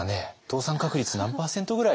倒産確率何％ぐらい。